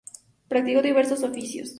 Practicó diversos oficios.